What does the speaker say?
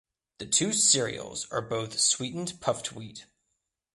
The two cereals are both sweetened puffed wheat.